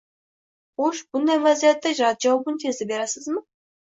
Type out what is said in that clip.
Xo`sh, bunday vaziyatda rad javobini tezda berasizmi